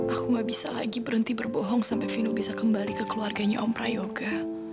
aku gak bisa lagi berhenti berbohong sampai vino bisa kembali ke keluarganya om prayoga